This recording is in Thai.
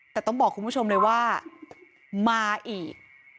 แต่ต้องบอกคุณผู้ชมเลยว่ามาอีก